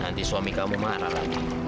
nanti suami kamu marah lagi